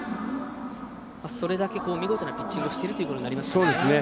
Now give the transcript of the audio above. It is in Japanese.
それだけ見事なピッチングをしてるということになりますね。